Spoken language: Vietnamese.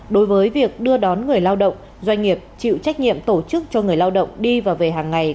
đối với việc đưa đón người lao động doanh nghiệp chịu trách nhiệm tổ chức cho người lao động đi và về hàng ngày